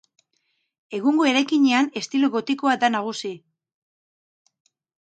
Egungo eraikinean, estilo gotikoa da nagusi.